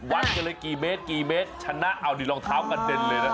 วัดก็เลยกี่เมตรชนะเอาดิรองเท้ากันเด่นเลยนะ